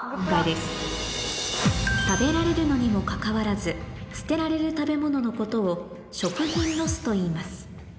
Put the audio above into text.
食べられるのにもかかわらず、捨てられる食べ物のことを、食品ロスと言います。